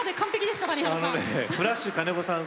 フラッシュ金子さん